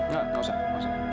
nggak usah nggak usah